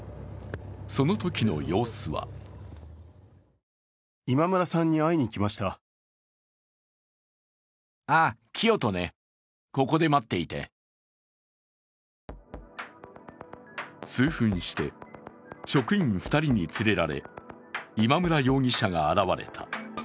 そのときの様子は数分して職員２人に連れられ、今村容疑者が現れた。